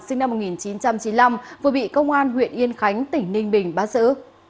sinh năm một nghìn chín trăm chín mươi năm vừa bị công an huyện yên khánh tỉnh ninh bình bắt giữ